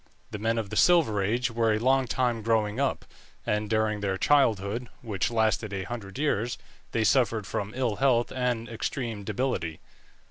The men of the Silver Age were a long time growing up, and during their childhood, which lasted a hundred years, they suffered from ill health and extreme debility.